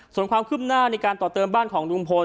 ส่วนความคืบหน้าในการต่อเติมบ้านของลุงพล